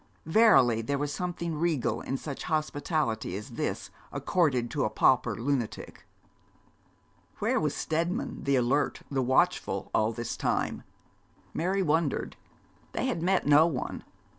Verily, there was something regal in such hospitality as this, accorded to a pauper lunatic. Where was Steadman, the alert, the watchful, all this time? Mary wondered. They had met no one.